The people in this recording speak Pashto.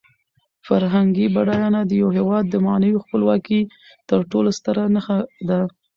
فرهنګي بډاینه د یو هېواد د معنوي خپلواکۍ تر ټولو ستره نښه ده.